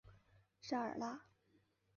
沙尔拉。